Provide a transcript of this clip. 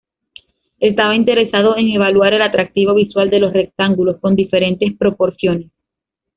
Estaba interesado en evaluar el atractivo visual de los rectángulos con diferentes proporciones.